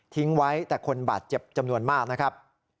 ไว้แต่คนบาดเจ็บจำนวนมากนะครับ